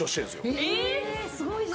えすごいじゃん。